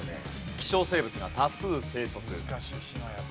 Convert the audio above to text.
希少生物が多数生息。